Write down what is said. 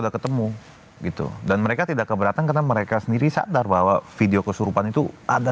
udah ketemu gitu dan mereka tidak keberatan karena mereka sendiri sadar bahwa video kesurupan itu ada